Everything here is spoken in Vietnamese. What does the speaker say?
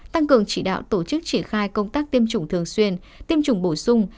tăng cường chỉ đạo tổ chức triển khai công tác tiêm chủng thường xuyên tiêm chủng bổ sung